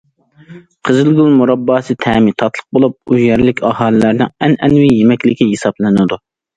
قىزىلگۈل مۇرابباسى تەمى تاتلىق بولۇپ، ئۇ، يەرلىك ئاھالىلەرنىڭ ئەنئەنىۋى يېمەكلىكى ھېسابلىنىدۇ.